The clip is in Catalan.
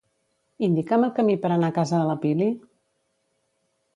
Indica'm el camí per anar a casa de la Pili?